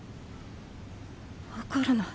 わからない。